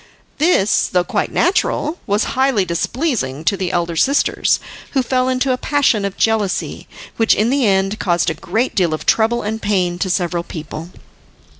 This, though quite natural, was highly displeasing to the elder sisters, who fell into a passion of jealousy, which in the end caused a great deal of trouble and pain to several people.